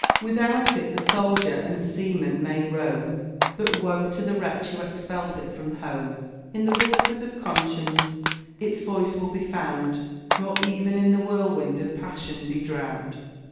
Without it the soldier and seaman may roam, But woe to the wretch who expels it from home. In the whispers of conscience its voice will be found, Nor e'en in the whirlwind of passion be drowned.